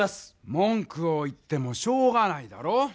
文くを言ってもしょうがないだろう。